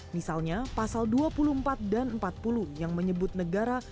misalnya pasal dua puluh empat dan empat puluh yang menyebut negara